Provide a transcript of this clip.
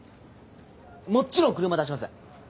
もっちろん車出します。